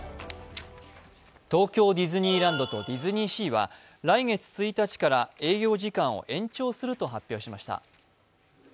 東京ディズニーランドとディズニーシーは来月１日から営業時間を延長すると発表しました。